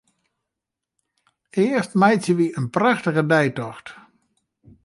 Earst meitsje wy in prachtige deitocht.